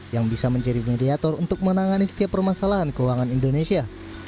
yang bisa menjadi mediator untuk menangani setiap permasalahan keuangan indonesia